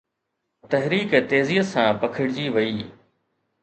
تحريڪ تيزيءَ سان پکڙجي وئي